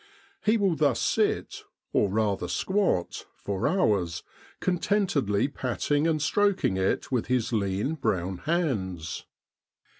He will thus sit, or rather squat, for hours, contentedly patting and stroking it with his lean brown hands.